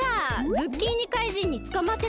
ズッキーニ怪人につかまってた。